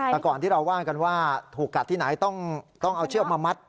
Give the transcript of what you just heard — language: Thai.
แต่ก่อนที่เราว่างกันว่าถูกกัดที่ไหนต้องเอาเชือกมามัด